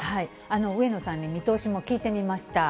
上野さんに、見通しも聞いてみました。